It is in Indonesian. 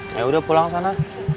ya udah pulang sana